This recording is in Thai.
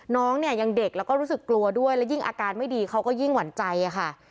น้องเนี่ยยังเด็กแล้วก็รู้สึกกลัวด้วยและยิ่งอาการไม่ดีเขาก็ยิ่งหวั่นใจค่ะ